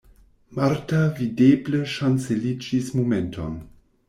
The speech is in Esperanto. Marta videble ŝanceliĝis momenton.